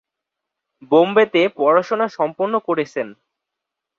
বোম্বেতে পড়াশোনা সম্পন্ন করেছেন।